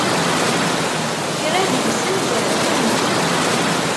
Kra deg-sen jerḥen.